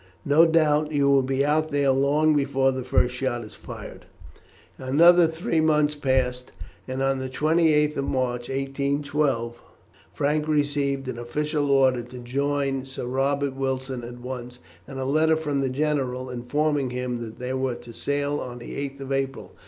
No doubt you will be out there long before the first shot is fired." Another three months passed, and on the 28th of March, 1812, Frank received an official order to join Sir Robert Wilson at once, and a letter from the general, informing him that they were to sail on the 8th of April.